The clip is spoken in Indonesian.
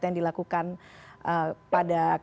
yang dilakukan pada